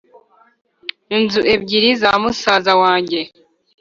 inzu ebyiri za musaza wanjye